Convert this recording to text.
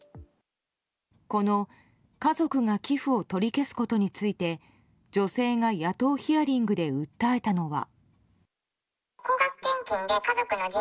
この家族が寄付を取り消すことについて女性が野党ヒアリングで訴えたのは。